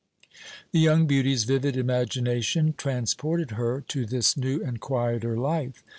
The young beauty's vivid imagination transported her to this new and quieter life.